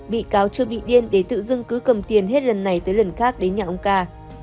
bị cáo chưa bị điên để tự dưng cứ cầm tiền hết lần này tới lần khác đến nhà ông ca